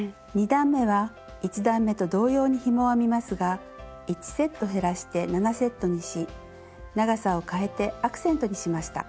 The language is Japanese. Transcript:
２段めは１段めと同様にひもを編みますが１セット減らして７セットにし長さを変えてアクセントにしました。